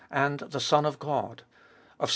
and the Son of God; of Ps.